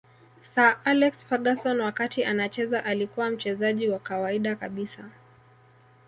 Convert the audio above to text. Sir Alex Ferguson wakati anacheza alikuwa mchezaji wa kawaida kabisa